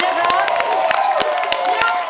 จดจำไว้ตลอดไปไม่ทิ้งกัน